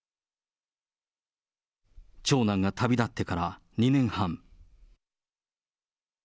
長男が旅立ってから２年半。